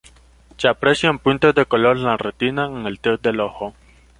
Se aprecian puntos de color en la retina en los test del ojo.